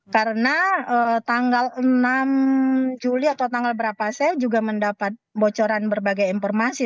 karena tanggal enam juli atau tanggal berapa saya juga mendapat bocoran berbagai informasi